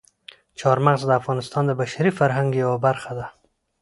چار مغز د افغانستان د بشري فرهنګ یوه برخه ده.